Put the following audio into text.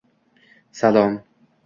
— Salom!